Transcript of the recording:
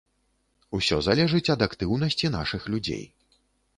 Усё залежыць ад актыўнасці нашых людзей.